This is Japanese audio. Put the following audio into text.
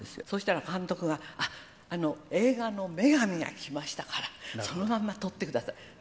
そしたら監督が、あっ、映画の女神が来ましたから、そのまんまとってください。